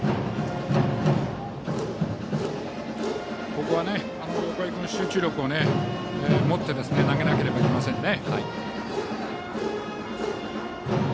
ここは横江君も集中力を持って投げなければいけませんね。